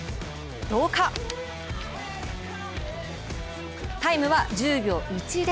どうか、タイムは１０秒１０。